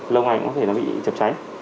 lâu ngày cũng có thể bị chập cháy